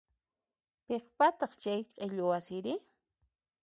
Piqpataq chay q'illu wasiri?